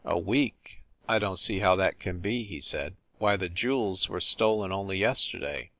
"A week ! I don t see how that can be," he said. "Why, the jewels were stolen only yesterday!"